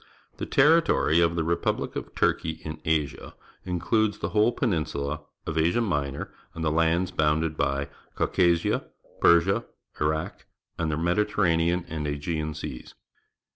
— The territory of the repul)lie of Turkeij in Asia includes the whole jieninsula of Asia Minor, and the lands Wounded by Caucasia, Persia, Iraq, and the Mediterranean and Aegean Seas.